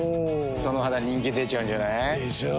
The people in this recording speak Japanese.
その肌人気出ちゃうんじゃない？でしょう。